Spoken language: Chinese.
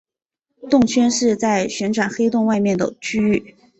动圈是在旋转黑洞外面的区域。